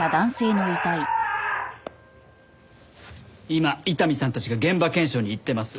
今伊丹さんたちが現場検証に行ってます。